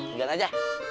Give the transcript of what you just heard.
nggak ada aja